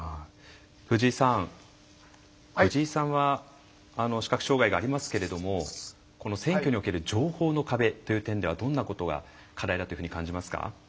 藤井さん藤井さんは視覚障害がありますけれども選挙における情報の壁という点ではどんなことが課題だというふうに感じますか？